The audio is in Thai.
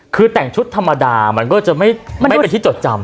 คือแต่งชุดธรรมดามันก็จะไม่เป็นที่จดจำ